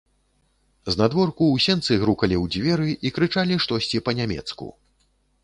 Знадворку ў сенцы грукалі ў дзверы і крычалі штосьці па-нямецку.